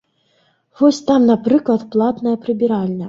Вось там, напрыклад, платная прыбіральня.